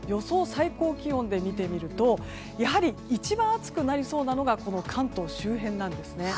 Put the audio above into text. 最高気温で見てみるとやはり一番暑くなりそうなのが関東周辺です。